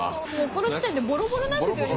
この時点でボロボロなんですよね